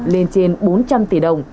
lên trên bốn trăm linh tỷ đồng